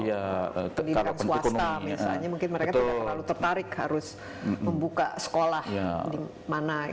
pendidikan swasta misalnya mungkin mereka tidak terlalu tertarik harus membuka sekolah di mana